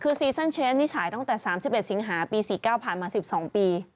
คือซีซั่นเชฟนี่ฉายตั้งแต่๓๑สิงหาปี๔๙ผ่านมา๑๒ปี